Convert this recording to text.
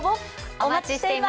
お待ちしています。